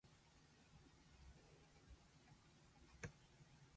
京都府京都市